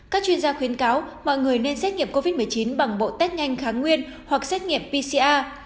các chuyên gia khuyến cáo mọi người nên xét nghiệm covid một mươi chín bằng bộ test nhanh kháng nguyên hoặc xét nghiệm pcr